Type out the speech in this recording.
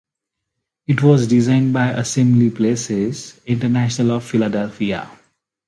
It was designed by Assembly Places International of Philadelphia.